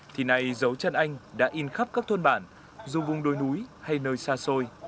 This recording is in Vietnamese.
thì này dấu chân anh đã in khắp các thôn bản dù vùng đôi núi hay nơi xa xôi